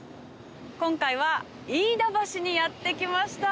今回は飯田橋にやってきました。